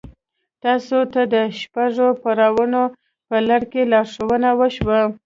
تاسې ته د شپږو پړاوونو په لړ کې لارښوونه وشوه.